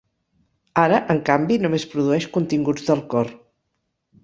Ara, en canvi, només produeix continguts del cor.